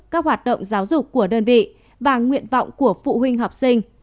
các hoạt động giáo dục của đơn vị và nguyện vọng của phụ huynh học sinh